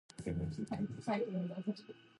地球温暖化が進んでいる。